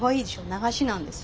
流しなんですよ。